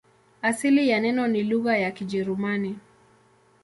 Asili ya neno ni lugha ya Kijerumani.